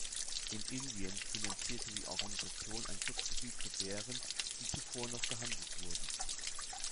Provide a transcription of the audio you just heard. In Indien finanzierte die Organisation ein Schutzgebiet für Bären, die zuvor noch gehandelt wurden.